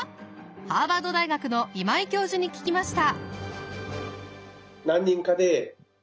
ハーバード大学の今井教授に聞きました。